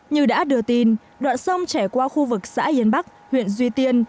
như đã đưa tin đoạn sông chảy qua khu vực xã yên bắc huyện duy tiên